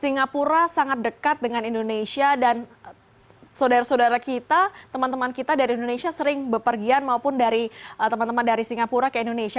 singapura sangat dekat dengan indonesia dan saudara saudara kita teman teman kita dari indonesia sering berpergian maupun dari teman teman dari singapura ke indonesia